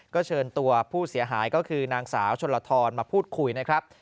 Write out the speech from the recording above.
ก็เชิญตัวผู้เสียหายก็คือนางสาวชนลทรมาพูดคุยนะครับ